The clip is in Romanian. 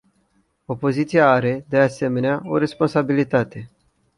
Opoziția are, de asemenea, o responsabilitate.